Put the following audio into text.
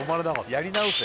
やり直せ！